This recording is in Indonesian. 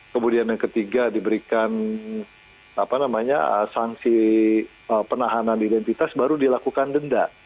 kemudian yang ketiga diberikan sanksi penahanan identitas baru dilakukan denda